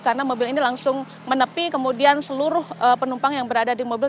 karena mobil ini langsung menepi kemudian seluruh penumpang yang berada di mobil